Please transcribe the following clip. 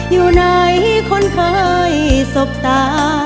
อยู่ไหนคนเคยสบตา